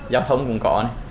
giao thông cũng có này